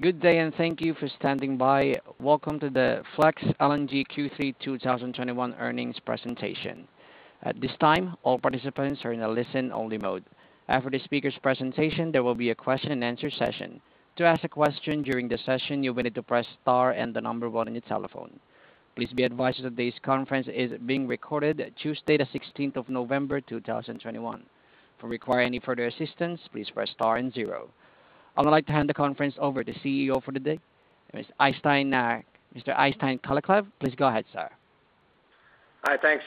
Good day, and thank you for standing by. Welcome to the Flex LNG Q3 2021 Earnings Presentation. At this time, all participants are in a listen-only mode. After the speaker's presentation, there will be a question-and-answer session. To ask a question during the session, you will need to press star and the number one on your telephone. Please be advised that this conference is being recorded, Tuesday, the 16th November, 2021. If you require any further assistance, please press star and zero. I would like to hand the conference over to the CEO for the day, Mr. Øystein Kalleklev. Please go ahead, sir. Hi. Thank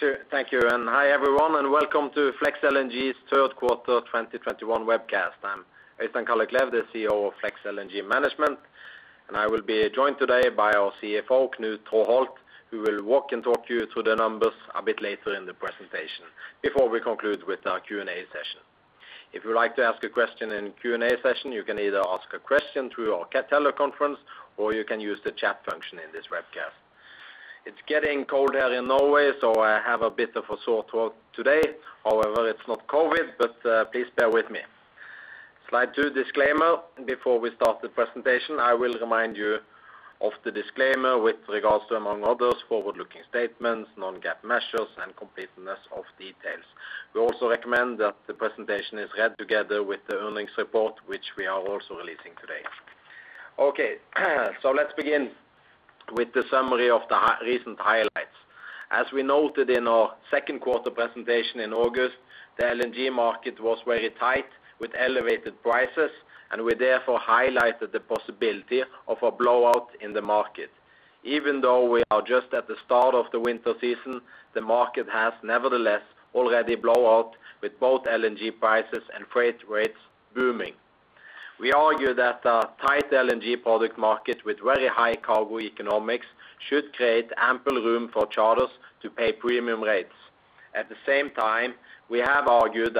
you, and hi, everyone, and welcome to Flex LNG's Q3 2021 webcast. I'm Øystein Kalleklev, the CEO of Flex LNG Management, and I will be joined today by our CFO, Knut Traaholt, who will walk and talk you through the numbers a bit later in the presentation before we conclude with our Q&A session. If you would like to ask a question in Q&A session, you can either ask a question through our teleconference, or you can use the chat function in this webcast. It's getting colder in Norway, so I have a bit of a sore throat today. However, it's not COVID, but please bear with me. Slide two, disclaimer. Before we start the presentation, I will remind you of the disclaimer with regards to, among others, forward-looking statements, non-GAAP measures, and completeness of details. We also recommend that the presentation is read together with the earnings report, which we are also releasing today. Okay, let's begin with the summary of the recent highlights. As we noted in our second quarter presentation in August, the LNG market was very tight with elevated prices, and we therefore highlighted the possibility of a blowout in the market. Even though we are just at the start of the winter season, the market has nevertheless already blown out with both LNG prices and freight rates booming. We argue that the tight LNG product market with very high cargo economics should create ample room for charters to pay premium rates. At the same time, we have argued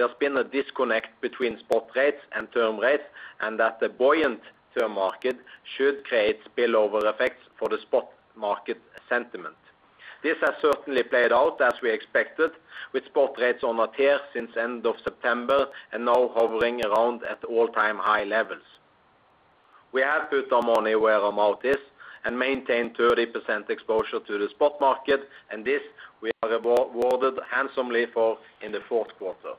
that there's been a disconnect between spot rates and term rates and that the buoyant term market should create spillover effects for the spot market sentiment. This has certainly played out as we expected with spot rates on a tear since end of September and now hovering around at all-time high levels. We have put our money where our mouth is and maintained 30% exposure to the spot market, and this we are rewarded handsomely for in the fourth quarter.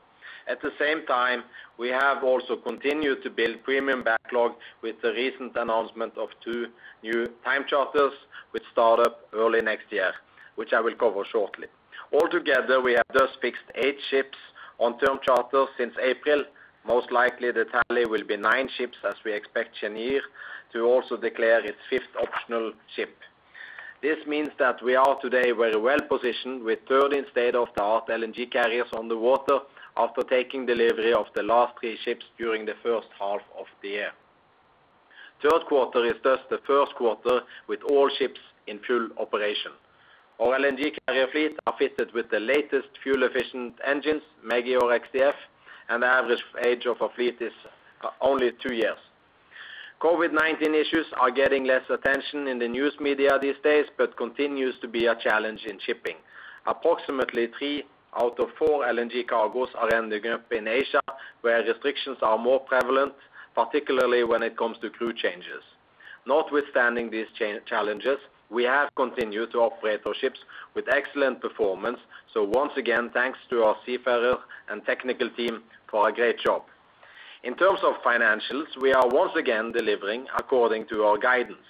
At the same time, we have also continued to build premium backlog with the recent announcement of two new time charters which start up early next year, which I will cover shortly. Altogether, we have just fixed eight ships on term charters since April. Most likely, the tally will be nine ships as we expect Cheniere to also declare its fifth optional ship. This means that we are today very well-positioned with 13 state-of-the-art LNG carriers on the water after taking delivery of the last three ships during the first half of the year. Third quarter is just the first quarter with all ships in full operation. Our LNG carrier fleet are fitted with the latest fuel-efficient engines, ME-GI or XDF, and the average age of our fleet is only two years. COVID-19 issues are getting less attention in the news media these days, but continues to be a challenge in shipping. Approximately three out of four LNG cargoes are ending up in Asia, where restrictions are more prevalent, particularly when it comes to crew changes. Notwithstanding these challenges, we have continued to operate our ships with excellent performance. Once again, thanks to our seafarers and technical team for a great job. In terms of financials, we are once again delivering according to our guidance.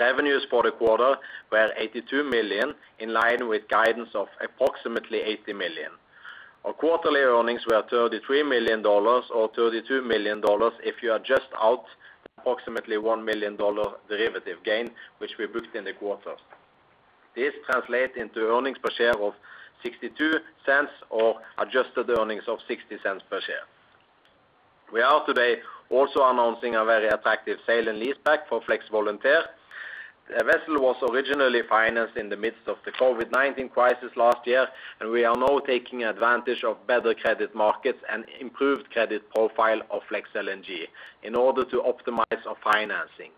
Revenues for the quarter were $82 million, in line with guidance of approximately $80 million. Our quarterly earnings were $33 million, or $32 million if you adjust out approximately $1 million derivative gain which we booked in the quarter. This translate into earnings per share of $0.62, or adjusted earnings of $0.60 per share. We are today also announcing a very attractive sale and leaseback for Flex Volunteer. The vessel was originally financed in the midst of the COVID-19 crisis last year, and we are now taking advantage of better credit markets and improved credit profile of Flex LNG in order to optimize our financing.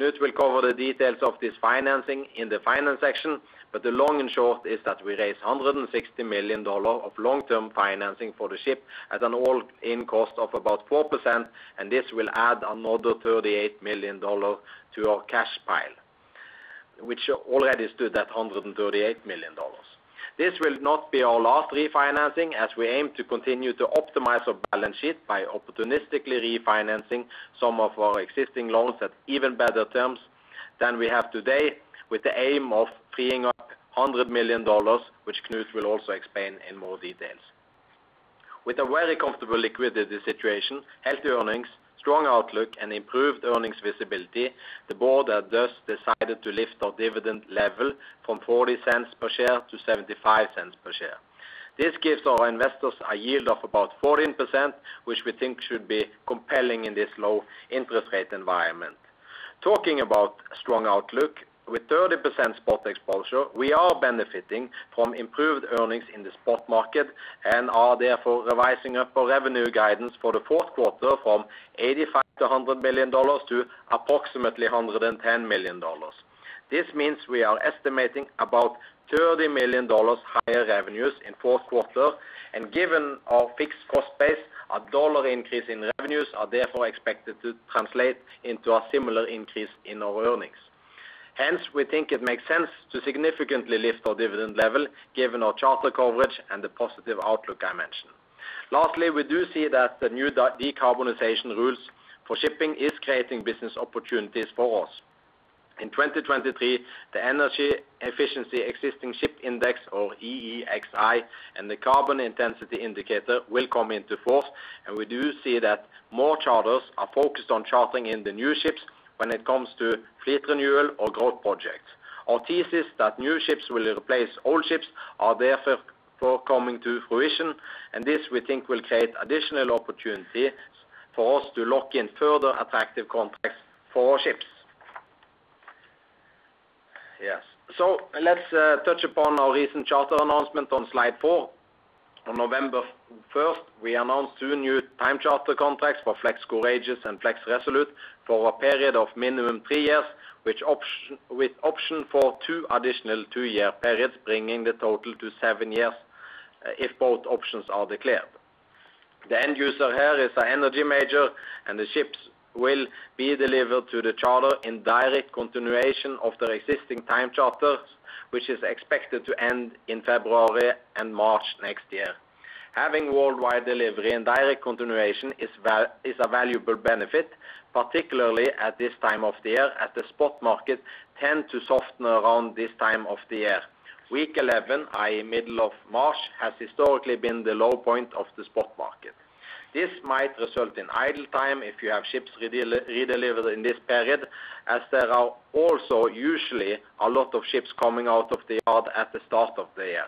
Knut will cover the details of this financing in the finance section, but the long and short is that we raised $160 million of long-term financing for the ship at an all-in cost of about 4%, and this will add another $38 million to our cash pile, which already stood at $138 million. This will not be our last refinancing as we aim to continue to optimize our balance sheet by opportunistically refinancing some of our existing loans at even better terms than we have today, with the aim of freeing up $100 million, which Knut will also explain in more details. With a very comfortable liquidity situation, healthy earnings, strong outlook, and improved earnings visibility, the board has just decided to lift our dividend level from $0.40 per share to $0.75 per share. This gives our investors a yield of about 14%, which we think should be compelling in this low interest rate environment. Talking about strong outlook, with 30% spot exposure, we are benefiting from improved earnings in the spot market and are therefore revising up our revenue guidance for the fourth quarter from $85 million to $100 million to approximately $110 million. This means we are estimating about $30 million higher revenues in fourth quarter. Given our fixed cost base, our dollar increase in revenues are therefore expected to translate into a similar increase in our earnings. Hence, we think it makes sense to significantly lift our dividend level given our charter coverage and the positive outlook I mentioned. Lastly, we do see that the new decarbonization rules for shipping is creating business opportunities for us. In 2023, the Energy Efficiency Existing Ship Index, or EEXI, and the Carbon Intensity Indicator will come into force, and we do see that more charters are focused on chartering in the new ships when it comes to fleet renewal or growth projects. Our thesis that new ships will replace old ships are therefore coming to fruition, and this we think will create additional opportunities for us to lock in further attractive contracts for our ships. Yes. Let's touch upon our recent charter announcement on slide four. On November 1st, we announced two new time charter contracts for Flex Courageous and Flex Resolute for a period of minimum three years, with option for two additional two-year periods, bringing the total to 7 seven years, if both options are declared. The end user here is an energy major, and the ships will be delivered to the charter in direct continuation of their existing time charters, which are expected to end in February and March next year. Having worldwide delivery and direct continuation is a valuable benefit, particularly at this time of the year, as the spot market tends to soften around this time of the year. Week 11, i.e., middle of March, has historically been the low point of the spot market. This might result in idle time if you have ships redelivered in this period, as there are also usually a lot of ships coming out of the yard at the start of the year.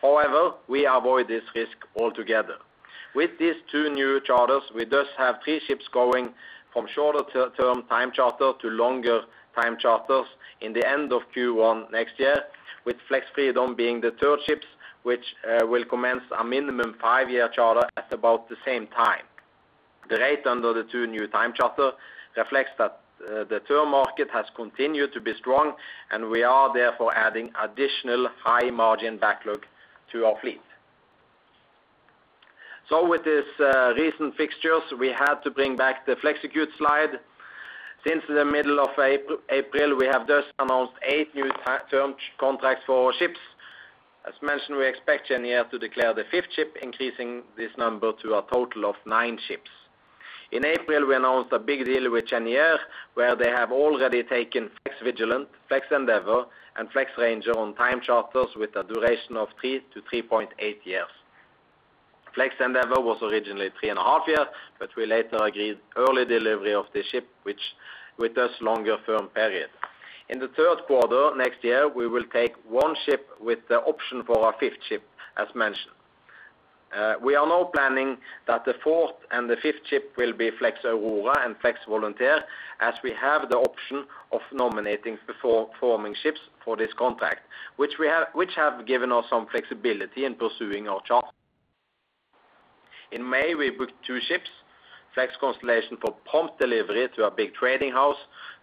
However, we avoid this risk altogether. With these two new charters, we thus have three ships going from shorter-term time charter to longer time charters in the end of Q1 next year, with Flex Freedom being the third ship which will commence a minimum five-year charter at about the same time. The rate under the two new time charter reflects that the term market has continued to be strong, and we are therefore adding additional high-margin backlog to our fleet. With these recent fixtures, we had to bring back the FlexiCurve slide. Since the middle of April, we have just announced eight new time term contracts for our ships. As mentioned, we expect Cheniere to declare the fifth ship, increasing this number to a total of nine ships. In April, we announced a big deal with Cheniere, where they have already taken Flex Vigilant, Flex Endeavour, and Flex Ranger on time charters with a duration of three to 3.8 years. Flex Endeavour was originally three and a half years, but we later agreed early delivery of the ship, which with this longer-term period. In the third quarter next year, we will take one ship with the option for a fifth ship, as mentioned. We are now planning that the fourth and the fifth ship will be Flex Aurora and Flex Volunteer, as we have the option of nominating the foregoing ships for this contract, which have given us some flexibility in pursuing our charter. In May, we booked two ships, Flex Constellation for prompt delivery to a big trading house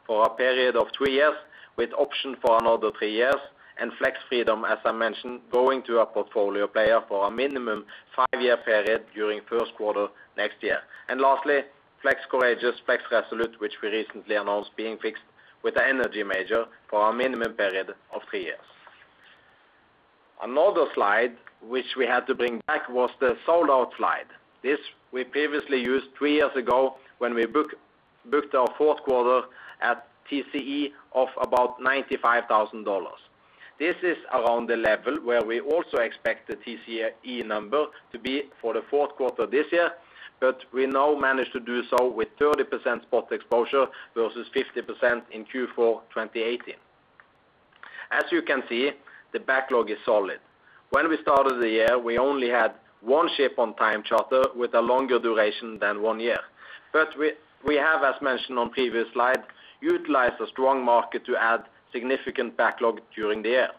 for a period of three years with option for another three years, and Flex Freedom, as I mentioned, going to a portfolio player for a minimum five-year period during first quarter next year. Lastly, Flex Courageous, Flex Resolute, which we recently announced being fixed with an energy major for a minimum period of three years. Another slide which we had to bring back was the sold-out slide. This we previously used three years ago when we booked our fourth quarter at TCE of about $95,000. This is around the level where we also expect the TCE number to be for the fourth quarter this year, but we now manage to do so with 30% spot exposure versus 50% in Q4 2018. As you can see, the backlog is solid. When we started the year, we only had one ship on time charter with a longer duration than one year. We have, as mentioned on previous slide, utilized a strong market to add significant backlog during the year.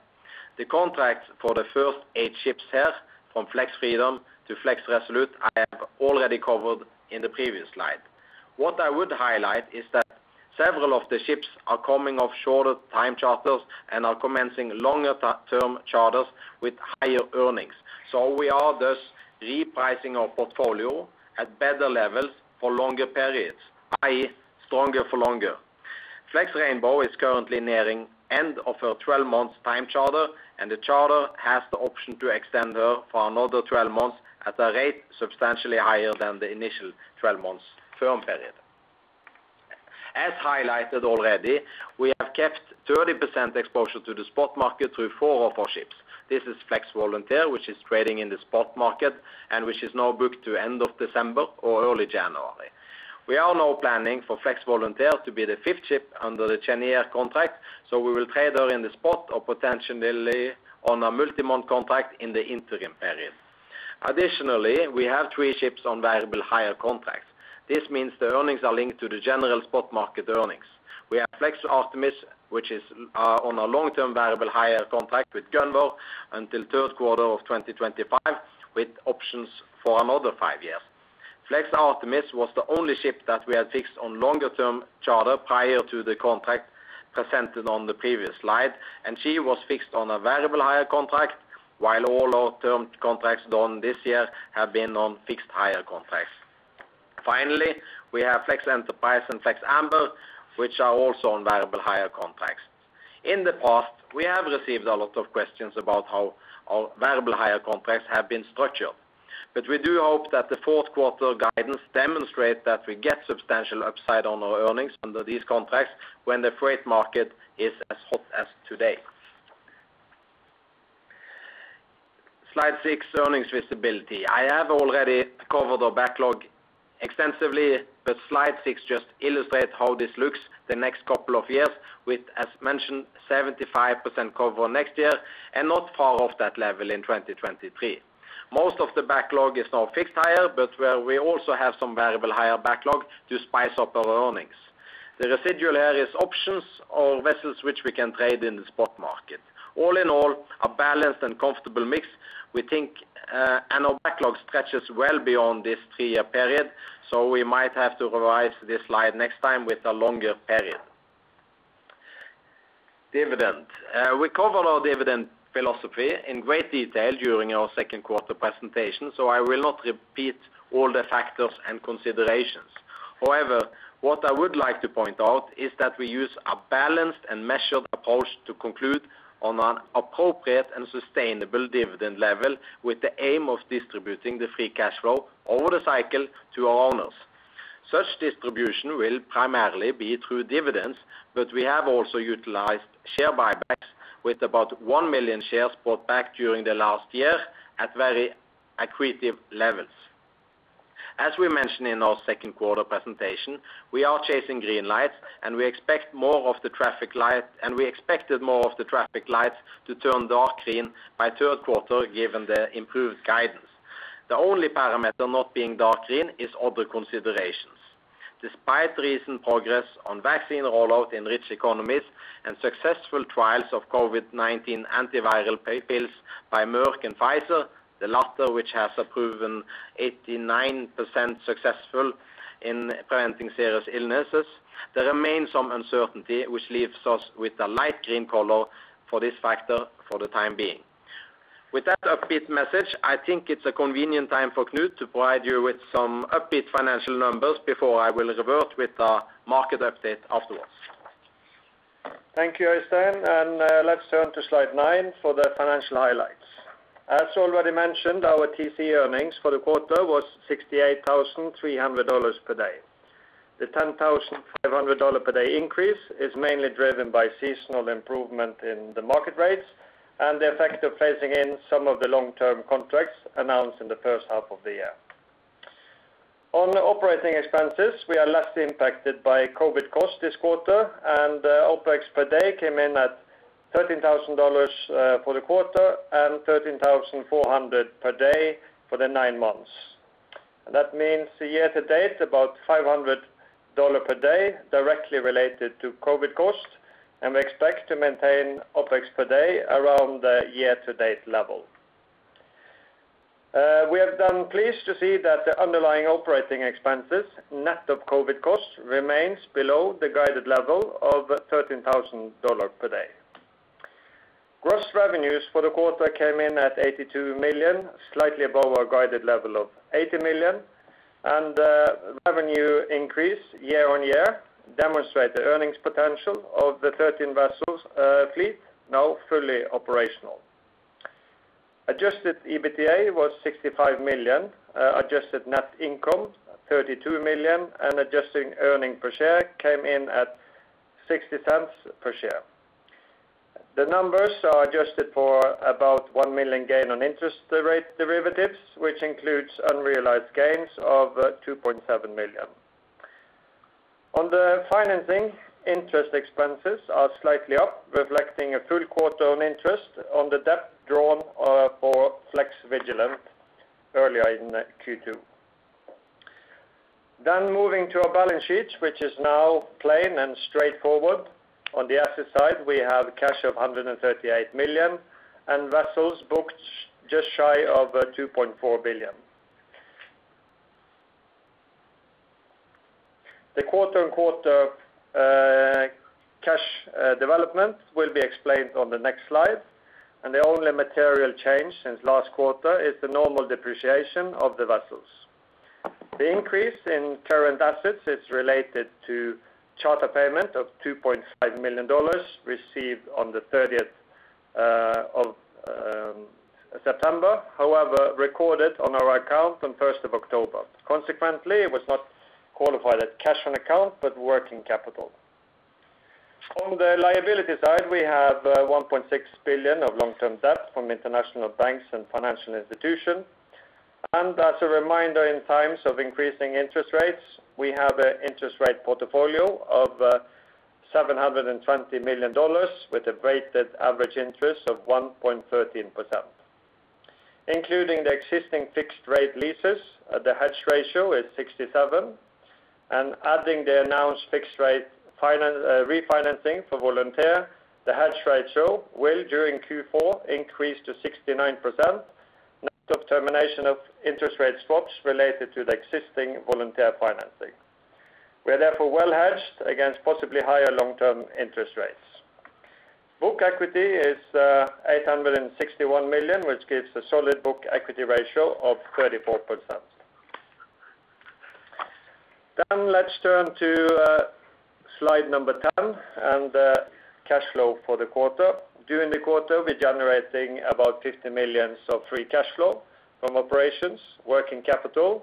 The contract for the first eight ships here, from Flex Freedom to Flex Resolute, I have already covered in the previous slide. What I would highlight is that several of the ships are coming off shorter time charters and are commencing longer-term charters with higher earnings. We are thus repricing our portfolio at better levels for longer periods, i.e., stronger for longer. Flex Rainbow is currently nearing end of her 12-month time charter, and the charter has the option to extend her for another 12 months at a rate substantially higher than the initial 12 months term period. As highlighted already, we have kept 30% exposure to the spot market through four of our ships. This is Flex Volunteer, which is trading in the spot market and which is now booked to end of December or early January. We are now planning for Flex Volunteer to be the fifth ship under the Cheniere contract, so we will trade her in the spot or potentially on a multi-month contract in the interim period. Additionally, we have three ships on variable hire contracts. This means the earnings are linked to the general spot market earnings. We have Flex Artemis, which is on a long-term variable hire contract with Gunvor until Q3 2025, with options for another five years. Flex Artemis was the only ship that we had fixed on longer-term charter prior to the contract presented on the previous slide, and she was fixed on a variable hire contract while all long-term contracts done this year have been on fixed hire contracts. Finally, we have Flex Enterprise and Flex Amber, which are also on variable hire contracts. In the past, we have received a lot of questions about how our variable hire contracts have been structured, but we do hope that the fourth quarter guidance demonstrate that we get substantial upside on our earnings under these contracts when the freight market is as hot as today. Slide six, earnings visibility. I have already covered our backlog extensively, but slide six just illustrates how this looks the next couple of years with, as mentioned, 75% cover next year and not far off that level in 2023. Most of the backlog is now fixed hire, but where we also have some variable hire backlog to spice up our earnings. The residual are as options or vessels which we can trade in the spot market. All in all, a balanced and comfortable mix we think, and our backlog stretches well beyond this three-year period, so we might have to revise this slide next time with a longer period. Dividend. We covered our dividend philosophy in great detail during our second quarter presentation, so I will not repeat all the factors and considerations. However, what I would like to point out is that we use a balanced and measured approach to conclude on an appropriate and sustainable dividend level with the aim of distributing the free cash flow over the cycle to our owners. Such distribution will primarily be through dividends, but we have also utilized share buybacks with about one million shares bought back during the last year at very accretive levels. As we mentioned in our second quarter presentation, we are chasing green lights, and we expect more of the traffic light, and we expected more of the traffic lights to turn dark green by third quarter given the improved guidance. The only parameter not being dark green is other considerations. Despite recent progress on vaccine rollout in rich economies and successful trials of COVID-19 antiviral pills by Merck and Pfizer, the latter which has proven 89% successful in preventing serious illnesses, there remains some uncertainty which leaves us with a light green color for this factor for the time being. With that upbeat message, I think it's a convenient time for Knut to provide you with some upbeat financial numbers before I will revert with the market update afterwards. Thank you, Øystein, and let's turn to slide nine for the financial highlights. As already mentioned, our TC earnings for the quarter was $68,300 per day. The $10,500 per day increase is mainly driven by seasonal improvement in the market rates and the effect of phasing in some of the long-term contracts announced in the first half of the year. On operating expenses, we are less impacted by COVID costs this quarter, and OpEx per day came in at $13,000 for the quarter and $13,400 per day for the nine months. That means the year-to-date, about $500 per day directly related to COVID costs, and we expect to maintain OpEx per day around the year-to-date level. We have been pleased to see that the underlying operating expenses, net of COVID costs, remains below the guided level of $13,000 per day. Gross revenues for the quarter came in at $82 million, slightly above our guided level of $80 million, and revenue increase year-on-year demonstrate the earnings potential of the 13 vessels fleet now fully operational. Adjusted EBITDA was $65 million, adjusted net income $32 million, and adjusted earning per share came in at $0.60 per share. The numbers are adjusted for about $1 million gain on interest rate derivatives, which includes unrealized gains of $2.7 million. On the financing, interest expenses are slightly up, reflecting a full quarter on interest on the debt drawn for Flex Vigilant earlier in Q2. Moving to our balance sheet, which is now plain and straightforward. On the asset side, we have cash of $138 million and vessels booked just shy of $2.4 billion. The quarter-on-quarter cash development will be explained on the next slide, and the only material change since last quarter is the normal depreciation of the vessels. The increase in current assets is related to charter payment of $2.5 million received on the 30th September. However, recorded on our account on 1st October. Consequently, it was not qualified as cash on account, but working capital. On the liability side, we have $1.6 billion of long-term debt from international banks and financial institution. As a reminder, in times of increasing interest rates, we have an interest rate portfolio of $720 million with a weighted average interest of 1.13%. Including the existing fixed rate leases, the hedge ratio is 67%. Adding the announced fixed rate finance refinancing for Flex Volunteer, the hedge ratio will, during Q4, increase to 69% net of termination of interest rate swaps related to the existing Flex Volunteer financing. We are therefore well hedged against possibly higher long-term interest rates. Book equity is $861 million, which gives a solid book equity ratio of 34%. Let's turn to slide 10 and cash flow for the quarter. During the quarter, we're generating about $50 million of free cash flow from operations. Working capital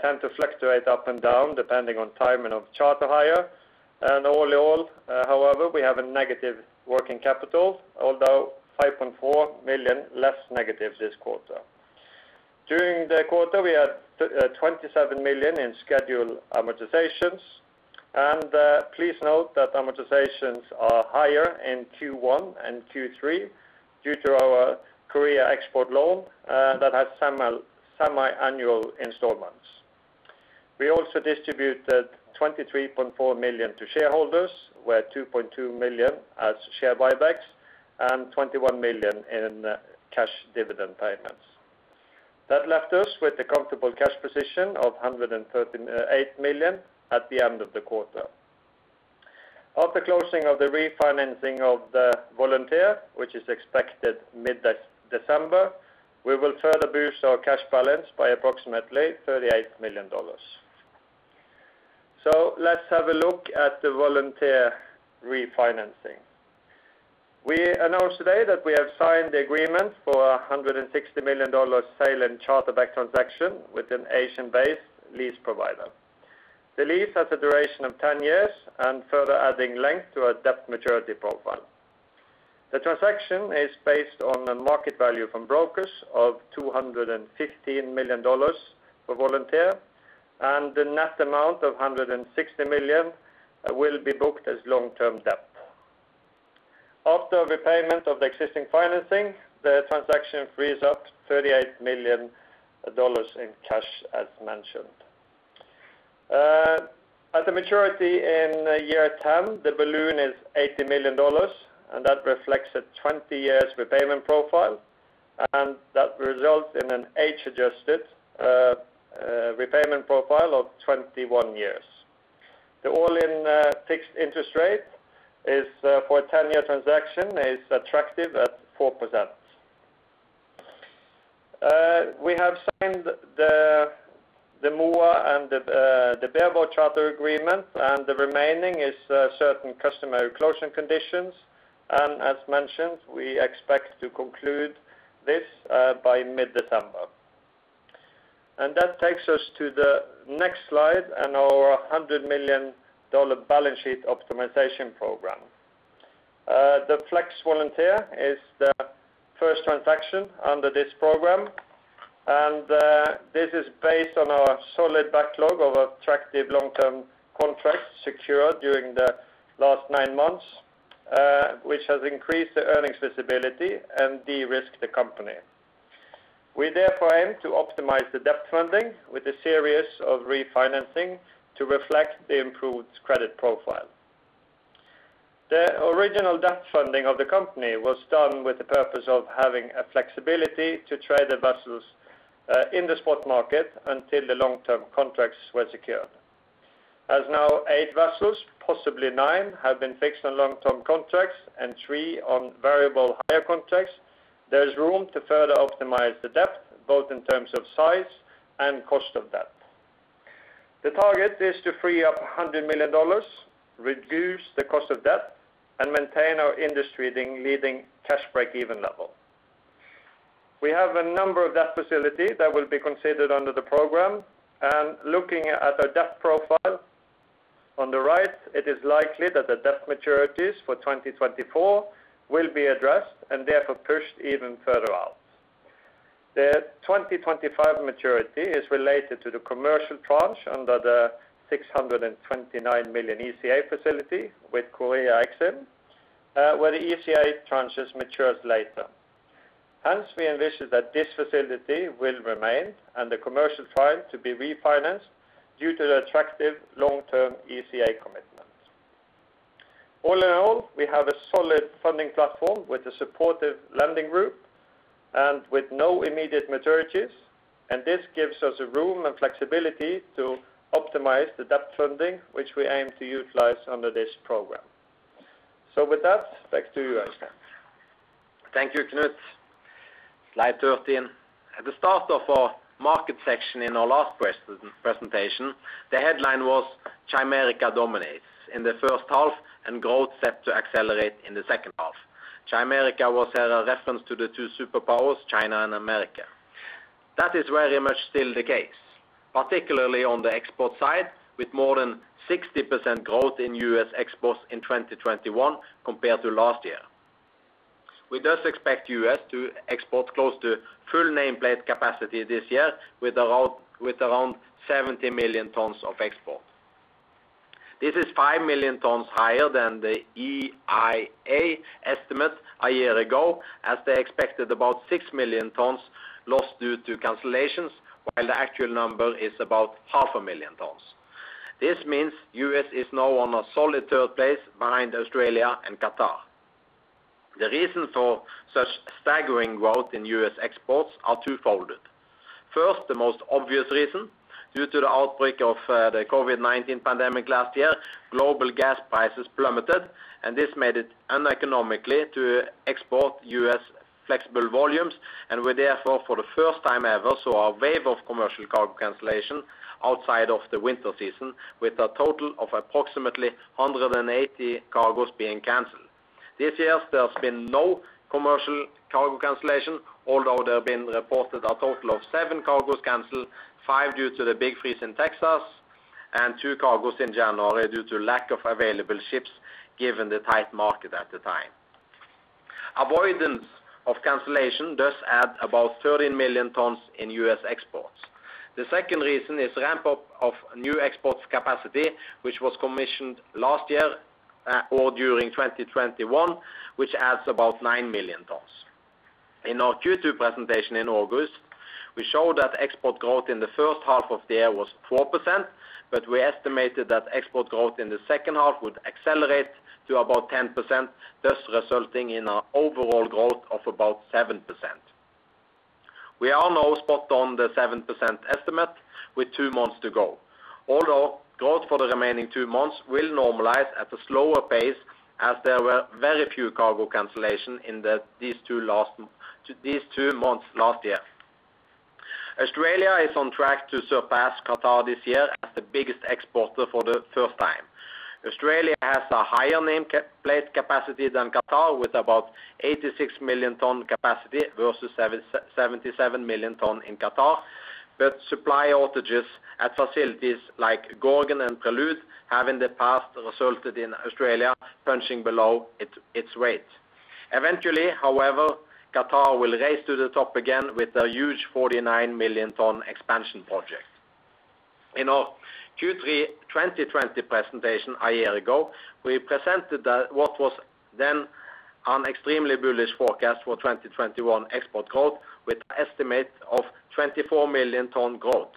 tends to fluctuate up and down depending on timing of charter hire. All in all, however, we have a negative working capital, although $5.4 million less negative this quarter. During the quarter, we had $27 million in scheduled amortizations. Please note that amortizations are higher in Q1 and Q3 due to our KEXIM export loan that has semiannual installments. We also distributed $23.4 million to shareholders, where $2.2 million as share buybacks and $21 million in cash dividend payments. That left us with a comfortable cash position of $138 million at the end of the quarter. After closing of the refinancing of the Volunteer, which is expected mid-December, we will further boost our cash balance by approximately $38 million. Let's have a look at the Volunteer refinancing. We announced today that we have signed the agreement for $160 million sale and charter back transaction with an Asian-based lease provider. The lease has a duration of 10 years and further adding length to our debt maturity profile. The transaction is based on a market value from brokers of $215 million for Volunteer, and the net amount of $160 million will be booked as long-term debt. After repayment of the existing financing, the transaction frees up $38 million in cash as mentioned. At the maturity in year 10, the balloon is $80 million, and that reflects a 20 years repayment profile, and that results in an age-adjusted repayment profile of 21 years. The all-in fixed interest rate for a 10-year transaction is attractive at 4%. We have signed the MOA and the Bareboat Charter Agreement, and the remaining is certain customary closing conditions. As mentioned, we expect to conclude this by mid-December. That takes us to the next slide and our $100 million balance sheet optimization program. The Flex Volunteer is the first transaction under this program. This is based on our solid backlog of attractive long-term contracts secured during the last nine months, which has increased the earnings visibility and de-risked the company. We therefore aim to optimize the debt funding with a series of refinancing to reflect the improved credit profile. The original debt funding of the company was done with the purpose of having a flexibility to trade the vessels in the spot market until the long-term contracts were secured. As now eight vessels, possibly nine, have been fixed on long-term contracts and three on variable hire contracts, there is room to further optimize the debt, both in terms of size and cost of debt. The target is to free up $100 million, reduce the cost of debt, and maintain our industry leading cash break-even level. We have a number of debt facilities that will be considered under the program. Looking at our debt profile on the right, it is likely that the debt maturities for 2024 will be addressed and therefore pushed even further out. The 2025 maturity is related to the commercial tranche under the $629 million ECA facility with KEXIM, where the ECA tranches matures later. Hence, we envision that this facility will remain and the commercial tranche to be refinanced due to the attractive long-term ECA commitments. All in all, we have a solid funding platform with a supportive lending group and with no immediate maturities, and this gives us room and flexibility to optimize the debt funding, which we aim to utilize under this program. With that, back to you, Øystein. Thank you, Knut. Slide 13. At the start of our market section in our last present-presentation, the headline was Chimerica dominates in the first half and growth set to accelerate in the second half. Chimerica was a reference to the two superpowers, China and America. That is very much still the case, particularly on the export side, with more than 60% growth in U.S. exports in 2021 compared to last year. We thus expect U.S. to export close to full nameplate capacity this year with around 70 million tons of export. This is five million tons higher than the EIA estimate a year ago, as they expected about six million tons lost due to cancellations, while the actual number is about half a million tons. This means U.S. is now on a solid third place behind Australia and Qatar. The reason for such staggering growth in U.S. exports are twofold. First, the most obvious reason, due to the outbreak of the COVID-19 pandemic last year, global gas prices plummeted, and this made it uneconomical to export U.S. LNG volumes, and we therefore, for the first time ever, saw a wave of commercial cargo cancellation outside of the winter season with a total of approximately 180 cargos being canceled. This year, there has been no commercial cargo cancellation, although there have been reported a total of seven cargos canceled, five due to the big freeze in Texas and two cargos in January due to lack of available ships given the tight market at the time. Avoidance of cancellation does add about 13 million tons in U.S. exports. The second reason is ramp-up of new exports capacity, which was commissioned last year or during 2021, which adds about nine million tons. In our Q2 presentation in August, we showed that export growth in the first half of the year was 4%, but we estimated that export growth in the second half would accelerate to about 10%, thus resulting in an overall growth of about 7%. We are now spot on the 7% estimate with two months to go. Although growth for the remaining two months will normalize at a slower pace as there were very few cargo cancellations in these two months last year. Australia is on track to surpass Qatar this year as the biggest exporter for the first time. Australia has a higher nameplate capacity than Qatar with about 86 million ton capacity versus 77 million ton in Qatar. Supply outages at facilities like Gorgon and Prelude have in the past resulted in Australia punching below its weight. Eventually, however, Qatar will race to the top again with a huge 49 million ton expansion project. In our Q3 2020 presentation a year ago, we presented what was then an extremely bullish forecast for 2021 export growth with an estimate of 24 million ton growth.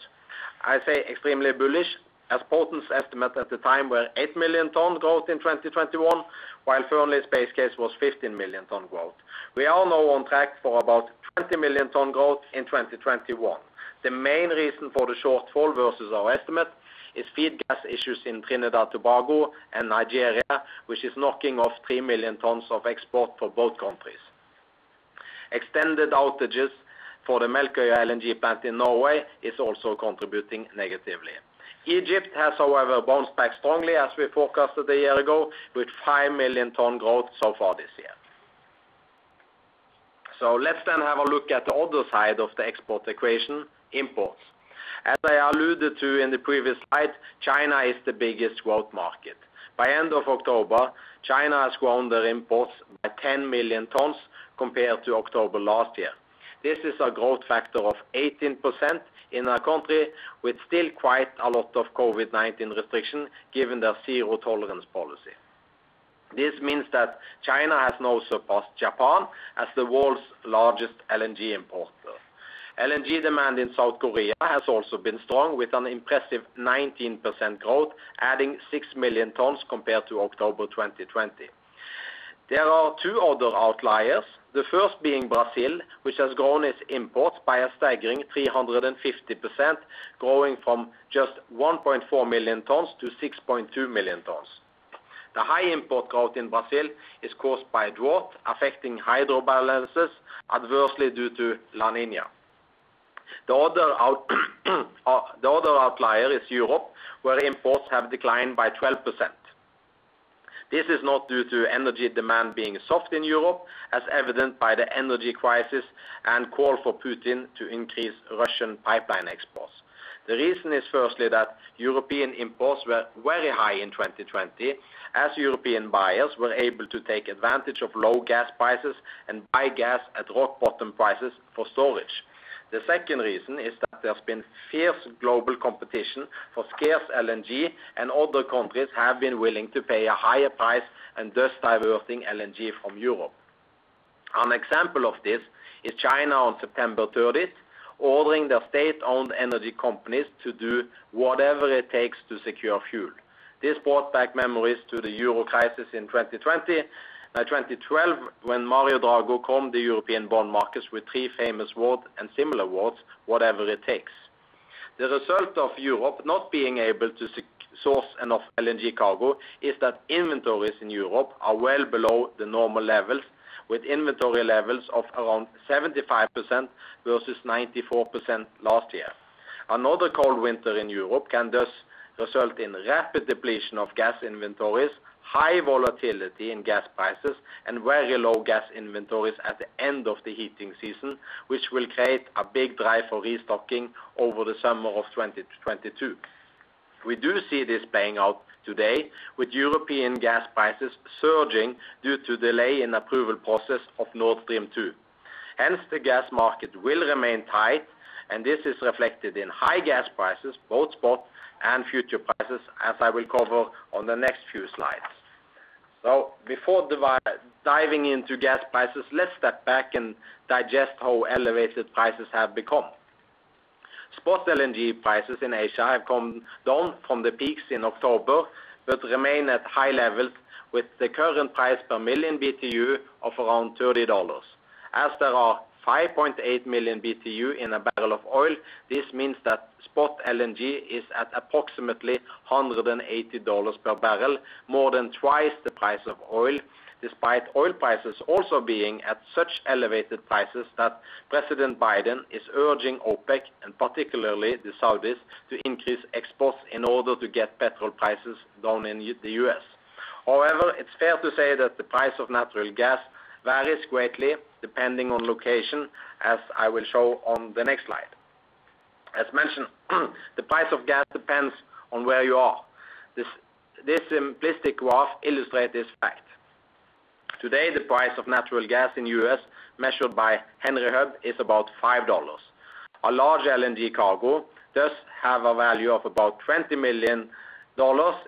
I say extremely bullish as Poten & Partners' estimate at the time were eight million ton growth in 2021, while Fearnleys' base case was 15 million ton growth. We are now on track for about 20 million ton growth in 2021. The main reason for the shortfall versus our estimate is feed gas issues in Trinidad and Tobago and Nigeria, which is knocking off three million tons of export for both countries. Extended outages for the Melkøya LNG plant in Norway is also contributing negatively. Egypt has, however, bounced back strongly as we forecasted a year ago with five million ton growth so far this year. Let's have a look at the other side of the export equation, imports. As I alluded to in the previous slide, China is the biggest growth market. By end of October, China has grown their imports by 10 million tons compared to October last year. This is a growth factor of 18% in a country with still quite a lot of COVID-19 restriction given their zero tolerance policy. This means that China has now surpassed Japan as the world's largest LNG importer. LNG demand in South Korea has also been strong with an impressive 19% growth, adding six million tons compared to October 2020. There are two other outliers, the first being Brazil, which has grown its imports by a staggering 350%, growing from just 1.4 million tons to 6.2 million tons. The high import growth in Brazil is caused by drought affecting hydro balances adversely due to La Niña. The other outlier is Europe, where imports have declined by 12%. This is not due to energy demand being soft in Europe, as evident by the energy crisis and call for Putin to increase Russian pipeline exports. The reason is firstly that European imports were very high in 2020 as European buyers were able to take advantage of low gas prices and buy gas at rock bottom prices for storage. The second reason is that there's been fierce global competition for scarce LNG and other countries have been willing to pay a higher price and thus diverting LNG from Europe. An example of this is China on September 30, ordering their state-owned energy companies to do whatever it takes to secure fuel. This brought back memories to the Euro crisis in 2012 when Mario Draghi calmed the European bond markets with three famous words and similar words, "Whatever it takes." The result of Europe not being able to source enough LNG cargo is that inventories in Europe are well below the normal levels, with inventory levels of around 75% versus 94% last year. Another cold winter in Europe can thus result in rapid depletion of gas inventories, high volatility in gas prices, and very low gas inventories at the end of the heating season, which will create a big drive for restocking over the summer of 2022. We do see this playing out today with European gas prices surging due to delay in approval process of Nord Stream 2. Hence, the gas market will remain tight, and this is reflected in high gas prices, both spot and future prices, as I will cover on the next few slides. Before diving into gas prices, let's step back and digest how elevated prices have become. Spot LNG prices in Asia have come down from the peaks in October, but remain at high levels with the current price per million BTU of around $30. As there are 5.8 million BTU in a barrel of oil, this means that spot LNG is at approximately $180 per barrel, more than twice the price of oil, despite oil prices also being at such elevated prices that President Biden is urging OPEC and particularly the Saudis to increase exports in order to get petrol prices down in the U.S. However, it's fair to say that the price of natural gas varies greatly depending on location, as I will show on the next slide. As mentioned, the price of gas depends on where you are. This simplistic graph illustrates this fact. Today, the price of natural gas in the U.S., measured by Henry Hub, is about $5. A large LNG cargo does have a value of about $20 million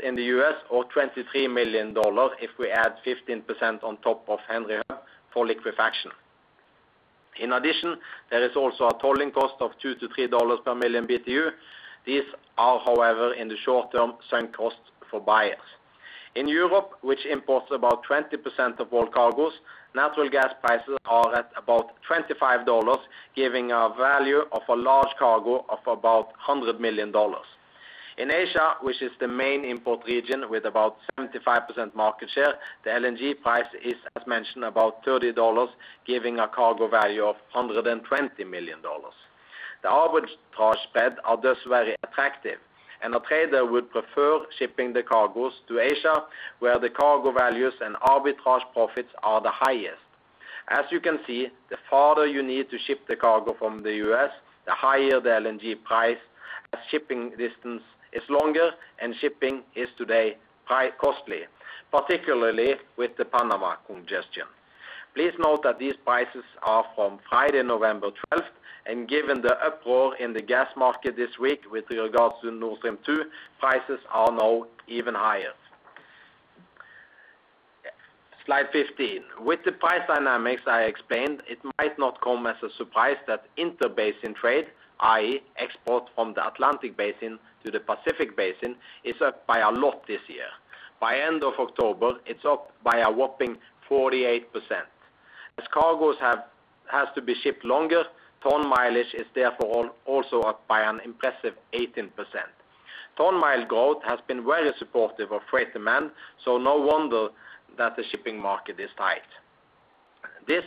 in the U.S. or $23 million if we add 15% on top of Henry Hub for liquefaction. In addition, there is also a tolling cost of $2-$3 per million BTU. These are, however, in the short term, same cost for buyers. In Europe, which imports about 20% of all cargos, natural gas prices are at about $25, giving a value of a large cargo of about $100 million. In Asia, which is the main import region with about 75% market share, the LNG price is, as mentioned, about $30, giving a cargo value of $120 million. The arbitrage spreads are thus very attractive, and a trader would prefer shipping the cargos to Asia, where the cargo values and arbitrage profits are the highest. As you can see, the farther you need to ship the cargo from the U.S., the higher the LNG price as shipping distance is longer and shipping is today costly, particularly with the Panama congestion. Please note that these prices are from Friday, November 12, and given the uproar in the gas market this week with regards to Nord Stream 2, prices are now even higher. Slide 15. With the price dynamics I explained, it might not come as a surprise that interbasin trade, i.e., export from the Atlantic basin to the Pacific basin, is up by a lot this year. By end of October, it's up by a whopping 48%. As cargos has to be shipped longer, ton-mileage is therefore also up by an impressive 18%. Ton-mileage growth has been very supportive of freight demand, so no wonder that the shipping market is tight. This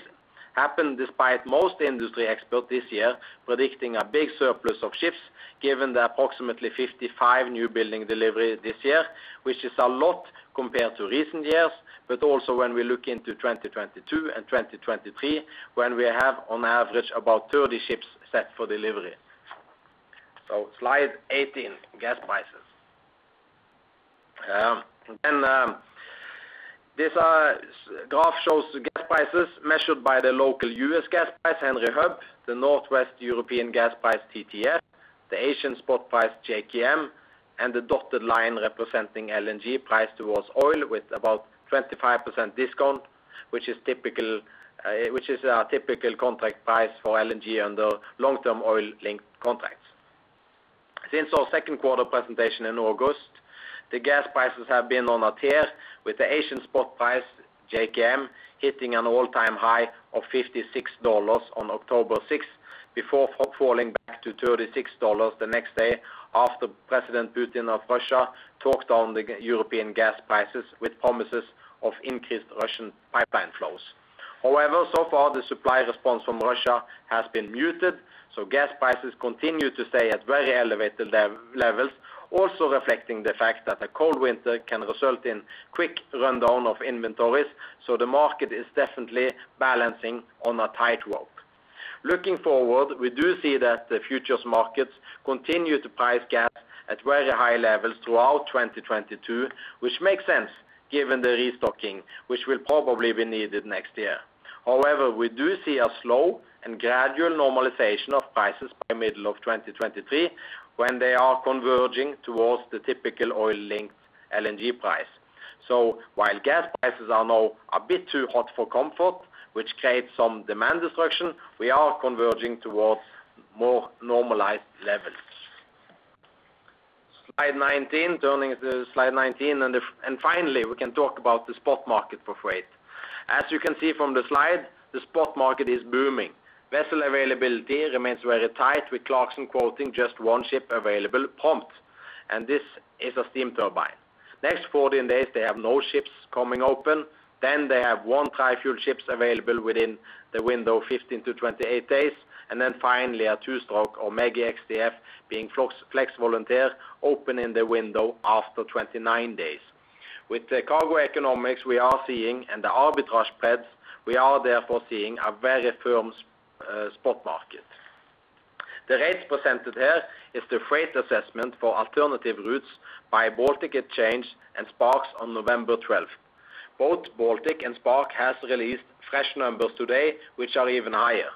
happened despite most industry experts this year predicting a big surplus of ships given the approximately 55 newbuilding deliveries this year, which is a lot compared to recent years, but also when we look into 2022 and 2023, when we have on average about 30 ships set for delivery. Slide 18, gas prices. This graph shows the gas prices measured by the local U.S. gas price, Henry Hub, the Northwest European gas price, TTF, the Asian spot price, JKM, and the dotted line representing LNG price towards oil with about 25% discount, which is a typical contract price for LNG under long-term oil-linked contracts. Since our second quarter presentation in August, the gas prices have been on a tear with the Asian spot price, JKM, hitting an all-time high of $56 on October 6 before falling back to $36 the next day after President Putin of Russia talked on the European gas prices with promises of increased Russian pipeline flows. However, so far the supply response from Russia has been muted, so gas prices continue to stay at very elevated levels, also reflecting the fact that a cold winter can result in quick rundown of inventories. The market is definitely balancing on a tightrope. Looking forward, we do see that the futures markets continue to price gas at very high levels throughout 2022, which makes sense given the restocking, which will probably be needed next year. However, we do see a slow and gradual normalization of prices by middle of 2023 when they are converging towards the typical oil-linked LNG price. While gas prices are now a bit too hot for comfort, which creates some demand destruction, we are converging towards more normalized levels. Slide 19. Turning to slide 19, finally, we can talk about the spot market for freight. As you can see from the slide, the spot market is booming. Vessel availability remains very tight with Clarksons quoting just one ship available open, and this is a steam turbine. Next 14 days, they have no ships coming open. Then they have one tri-fuel ship available within the window 15-28 days. Then finally a two-stroke or ME-GI, X-DF being Flex Volunteer open in the window after 29 days. With the cargo economics we are seeing and the arbitrage spreads, we are therefore seeing a very firm spot market. The rates presented here is the freight assessment for alternative routes by Baltic Exchange and Spark on November 12th. Both Baltic and Spark has released fresh numbers today, which are even higher.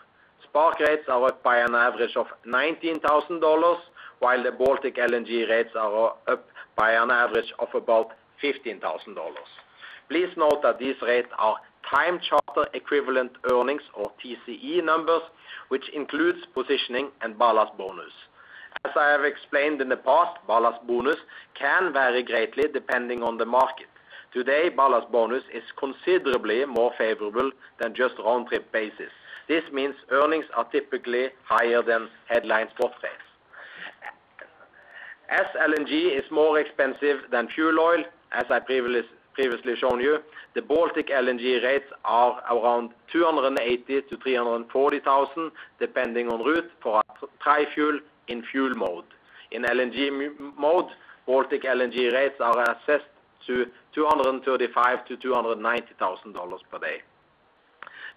Spark rates are up by an average of $19,000, while the Baltic LNG rates are up by an average of about $15,000. Please note that these rates are time charter equivalent earnings or TCE numbers, which includes positioning and ballast bonus. As I have explained in the past, ballast bonus can vary greatly depending on the market. Today, ballast bonus is considerably more favorable than just round-trip basis. This means earnings are typically higher than headline spot rates. As LNG is more expensive than fuel oil, as I previously shown you, the Baltic LNG rates are around $280,000 to $340,000, depending on route for a tri-fuel in fuel mode. In LNG mode, Baltic LNG rates are assessed to $235,000 to $290,000 per day.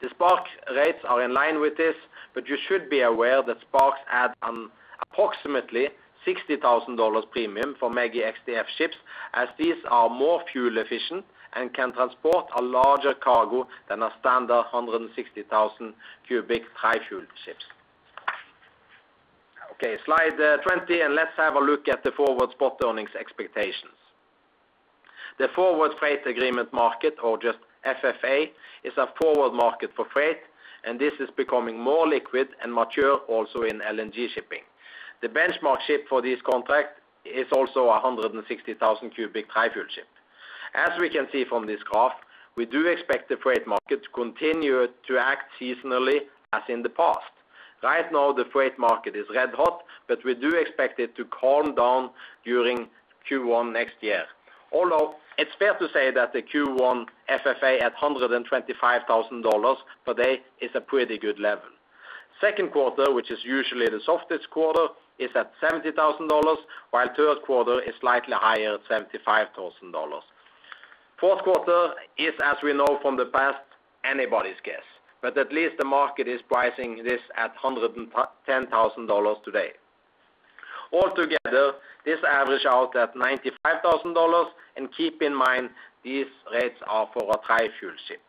The Spark rates are in line with this, but you should be aware that Spark add an approximately $60,000 premium for ME-GI, X-DF ships as these are more fuel efficient and can transport a larger cargo than a standard 160,000 cubic tri-fuel ships. Okay, slide 20, and let's have a look at the forward spot earnings expectations. The Forward Freight Agreement market, or just FFA, is a forward market for freight, and this is becoming more liquid and mature also in LNG shipping. The benchmark ship for this contract is also a 160,000 cubic tri-fuel ship. As we can see from this graph, we do expect the freight market to continue to act seasonally as in the past. Right now, the freight market is red hot, but we do expect it to calm down during Q1 next year. Although it's fair to say that the Q1 FFA at $125,000 per day is a pretty good level. Second quarter, which is usually the softest quarter, is at $70,000, while third quarter is slightly higher at $75,000. Fourth quarter is, as we know from the past, anybody's guess, but at least the market is pricing this at $110,000 today. Altogether, this average out at $95,000. Keep in mind these rates are for a tri-fuel ship,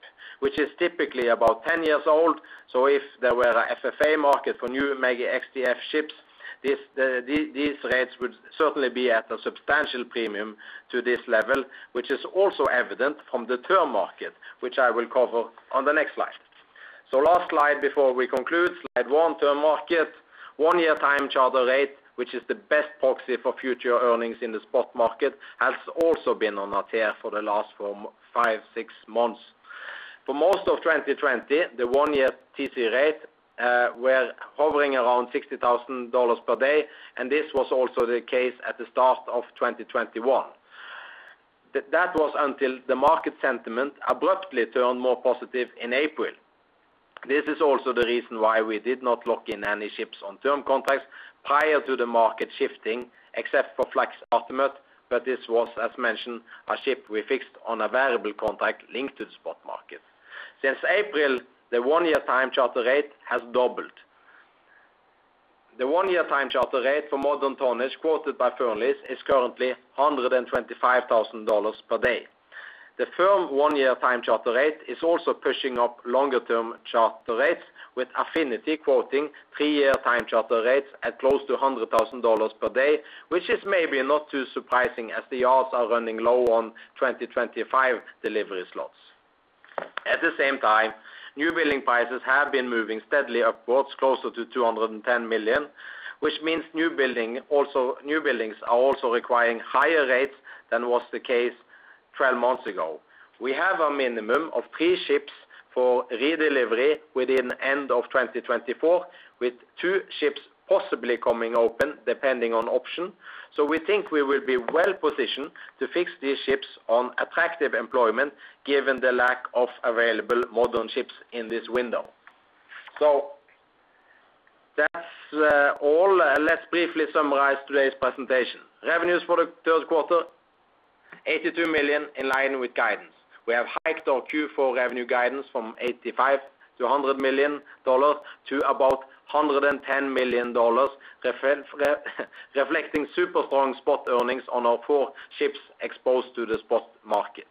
which is typically about 10 years old. If there were a FFA market for new ME-GI, X-DF ships, this, these rates would certainly be at a substantial premium to this level, which is also evident from the term market, which I will cover on the next slide. Last slide before we conclude, slide one, term market. One-year time charter rate, which is the best proxy for future earnings in the spot market, has also been on a tear for the last four, five, six months. For most of 2020, the one-year TC rate were hovering around $60,000 per day, and this was also the case at the start of 2021. That was until the market sentiment abruptly turned more positive in April. This is also the reason why we did not lock in any ships on term contracts prior to the market shifting, except for Flex Artemis, but this was, as mentioned, a ship we fixed on a variable contract linked to the spot market. Since April, the one-year time charter rate has doubled. The one-year time charter rate for modern tonnage quoted by Fearnleys is currently $125,000 per day. The firm one-year time charter rate is also pushing up longer-term charter rates, with Affinity quoting three-year time charter rates at close to $100,000 per day, which is maybe not too surprising as the odds are running low on 2025 delivery slots. At the same time, new building prices have been moving steadily upwards, closer to $210 million, which means new buildings are also requiring higher rates than was the case 12 months ago. We have a minimum of three ships for redelivery within end of 2024, with two ships possibly coming open depending on option. We think we will be well positioned to fix these ships on attractive employment given the lack of available modern ships in this window. That's all. Let's briefly summarize today's presentation. Revenues for the third quarter, $82 million, in line with guidance. We have hiked our Q4 revenue guidance from $85 million to $100 million to about $110 million, reflecting super strong spot earnings on our four ships exposed to the spot market.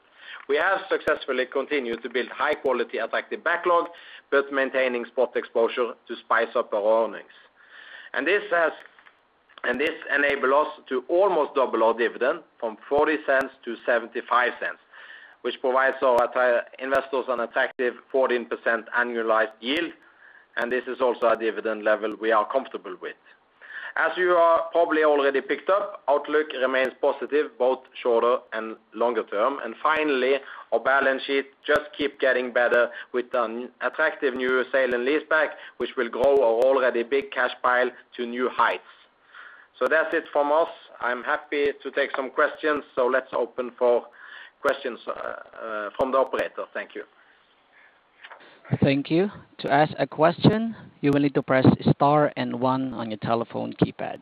We have successfully continued to build high quality attractive backlog, but maintaining spot exposure to spice up our earnings. This enables us to almost double our dividend from $0.40 to $0.75, which provides our entire investors an attractive 14% annualized yield. This is also a dividend level we are comfortable with. As you have probably already picked up, outlook remains positive, both shorter and longer-term. Finally, our balance sheet just keeps getting better with an attractive new sale and leaseback, which will grow our already big cash pile to new heights. That's it from us. I'm happy to take some questions. Let's open for questions from the operator. Thank you. Thank you. To ask a question, you will need to press star and one on your telephone keypad.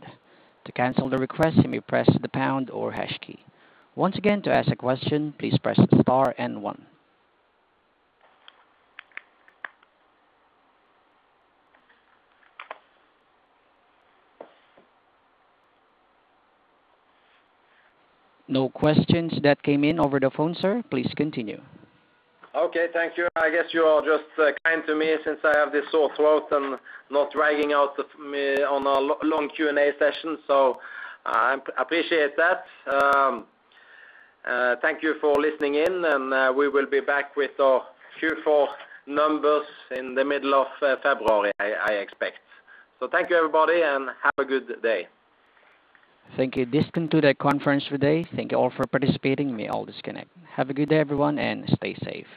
To cancel the request, you may press the pound or hash key. Once again, to ask a question, please press star and one. No questions that came in over the phone, sir. Please continue. Okay, thank you. I guess you are just kind to me since I have this sore throat and not dragging me on a long Q&A session. Appreciate that. Thank you for listening in, and we will be back with our Q4 numbers in the middle of February, I expect. Thank you, everybody, and have a good day. Thank you. This concludes the conference today. Thank you all for participating. You may all disconnect. Have a good day, everyone, and stay safe.